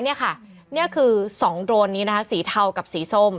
นี่ค่ะนี่คือ๒โดรนนี้นะคะสีเทากับสีส้ม